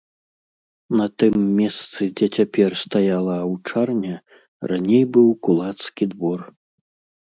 На тым месцы, дзе цяпер стаяла аўчарня, раней быў кулацкі двор.